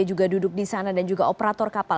juga duduk di sana dan juga operator kapal